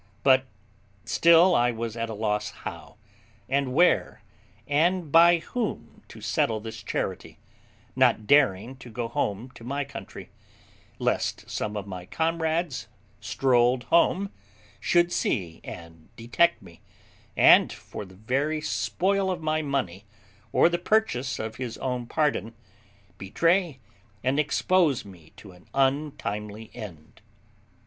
But still I was at a loss how, and where, and by whom to settle this charity, not daring to go home to my own country, lest some of my comrades, strolled home, should see and detect me, and for the very spoil of my money, or the purchase of his own pardon, betray and expose me to an untimely end.